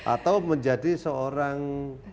atau menjadi seorang